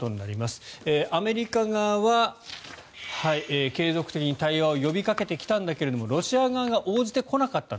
アメリカ側は、継続的に対話を呼びかけてきたんだけどロシア側が応じてこなかった。